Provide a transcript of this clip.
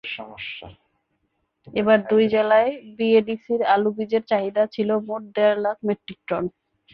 এবার দুই জেলায় বিএডিসির আলুবীজের চাহিদা ছিল মোট দেড় লাখ মেট্রিক টন।